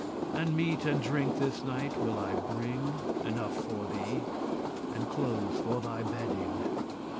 And meat and drinke this night will I bring Enough for thee, and clothes for thy bedding.